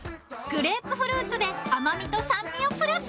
グレープフルーツで甘みと酸味をプラス！